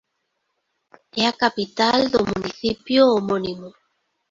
É a capital do municipio homónimo.